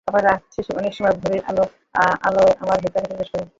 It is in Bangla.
আবার রাত শেষে অনেক সময় ভোরের আলো আমার ভেতর প্রবেশ করে।